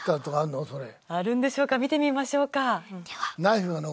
あるんでしょうか見てみましょうか。